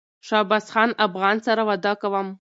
شهبازخان افغان سره واده کوم